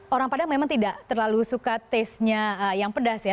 orang padang memang tidak terlalu suka taste nya yang pedas ya